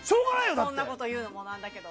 こんなこと言うのもなんだけど。